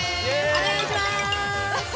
お願いします